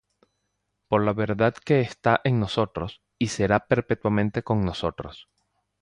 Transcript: Por la verdad que está en nosotros, y será perpetuamente con nosotros: